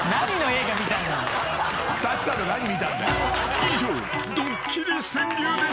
［以上ドッキリ川柳でした］